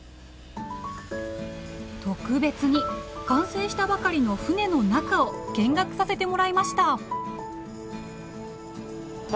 特別に完成したばかりの船の中を見学させてもらいました。